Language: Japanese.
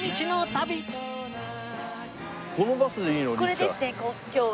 これですね今日は。